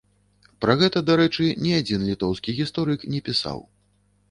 Пра гэта, дарэчы, ні адзін літоўскі гісторык не пісаў.